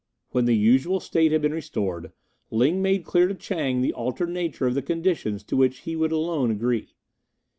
When the usual state had been restored, Ling made clear to Chang the altered nature of the conditions to which he would alone agree.